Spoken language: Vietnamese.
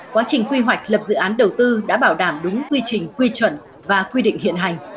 quá trình quy hoạch lập dự án đầu tư đã bảo đảm đúng quy trình quy chuẩn và quy định hiện hành